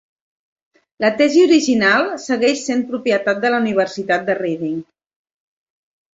La tesi original segueix sent propietat de la Universitat de Reading.